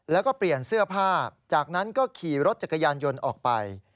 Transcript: แล้วก็เปลี่ยนเสื้อผ้าจากนั้นก็ขี่รถจักรยานยนต์ออกไป